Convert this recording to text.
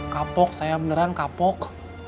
kapok saya beneran kapok